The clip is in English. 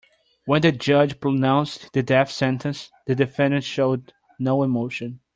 When the judge pronounced the death sentence, the defendant showed no emotion.